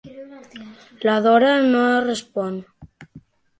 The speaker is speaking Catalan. La Dora no respon.